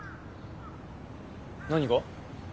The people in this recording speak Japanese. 何が？